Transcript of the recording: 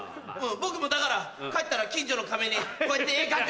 僕もだから帰ったら近所の壁にこうやって絵描く！